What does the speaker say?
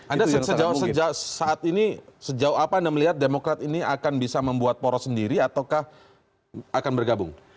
anda sejauh saat ini sejauh apa anda melihat demokrat ini akan bisa membuat poros sendiri ataukah akan bergabung